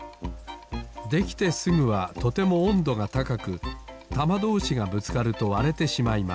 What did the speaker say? できてすぐはとてもおんどがたかくたまどうしがぶつかるとわれてしまいます。